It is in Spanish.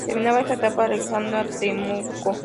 Terminada esta etapa regresó a Temuco.